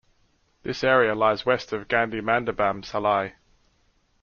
This area lies West of Gandhi Mandabam Salai.